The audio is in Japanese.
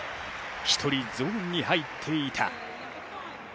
一人ゾーンに入っていた。